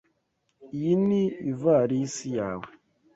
Iyi ni ivalisi yawe?